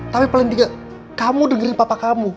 tapi paling tidak kamu dengerin papa kamu